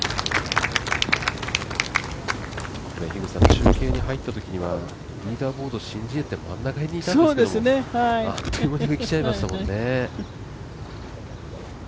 中継に入ったときにはリーダーボード、シン・ジエって真ん中にいましたけどあっという間に上にきちゃいましたもんね。